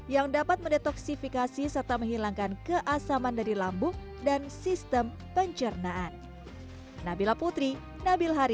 yang dapat mendetoksifikasi serta menghilangkan keasaman dari lambung dan sistem pencernaan